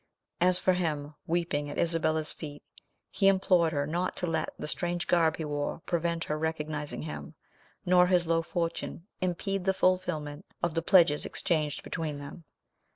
As for him, weeping at Isabella's feet, he implored her not to let the strange garb he wore prevent her recognising him, nor his low fortune impede the fulfilment of the pledges exchanged between them.